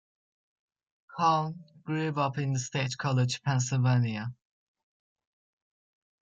Kahn grew up in State College, Pennsylvania.